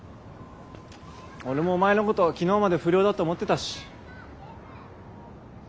俺もお前のこと昨日まで不良だと思ってたし。